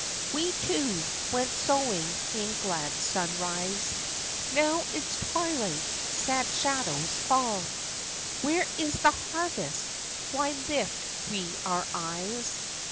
We, too, went sowing in glad sunrise; Now it is twilight, sad shadows fall. Where is the harvest ? Why lift we our eyes